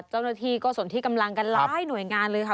เจ้าหน้าที่ก็ส่วนที่กำลังกันหลายหน่วยงานเลยค่ะ